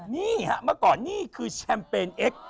นี่ค่ะมันก่อนนี่คือแชมเปญเอก